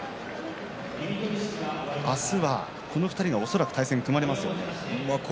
明日はこの２人の対戦が恐らく組まれますよね。